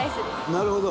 なるほど。